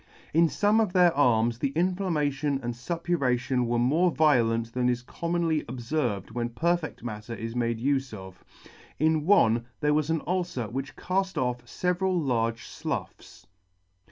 In fome of their arms the inflam mation and fuppuration were more violent than is commonly obferved when perfect matter is made ufe of y in one there was an ulcer which call: off feveral large floughs.